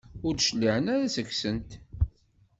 Ur d-cliɛen ara seg-sent?